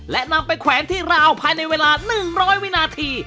และนำไปแขวนที่ราวภายในเวลา๑๐๐วินาที